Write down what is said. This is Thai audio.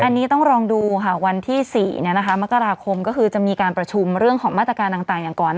อันนี้ต้องลองดูค่ะวันที่๔มกราคมก็คือจะมีการประชุมเรื่องของมาตรการต่างอย่างก่อน